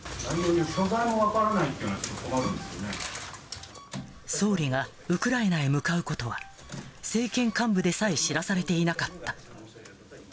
所在も分からないというのは、総理がウクライナへ向かうことは、政権幹部でさえ知らされていなかった。